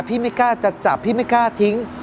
ไม่กล้าจะจับพี่ไม่กล้าทิ้ง